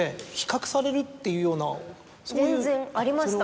全然ありました。